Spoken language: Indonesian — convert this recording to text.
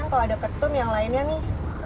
kalau ada petum yang lainnya nih